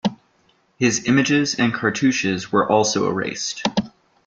His images and cartouches were also erased.